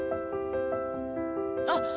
あっ。